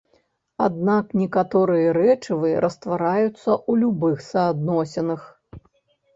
Аднак некаторыя рэчывы раствараюцца ў любых суадносінах.